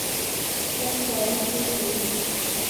څه خواري پرې کوې.